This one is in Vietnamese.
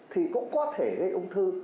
thì cũng có thể gây ung thư